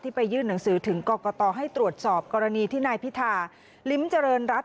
ไปยื่นหนังสือถึงกรกตให้ตรวจสอบกรณีที่นายพิธาลิ้มเจริญรัฐ